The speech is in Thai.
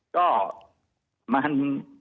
ก็มัน